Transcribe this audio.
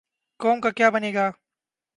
قوم کا کیا بنے گا؟